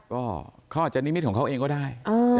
ก็เขาอาจจะนิมิตของเขาเองก็ได้